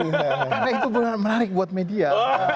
karena itu benar benar menarik buat media